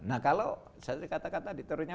nah kalau saya kata kata di terunya